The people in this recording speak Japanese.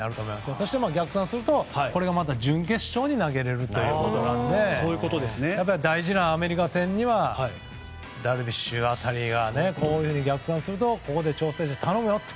そして逆算するとこれが準決勝に投げられるので大事なアメリカ戦にはダルビッシュ辺りが逆算するとここで調整して頼むよと。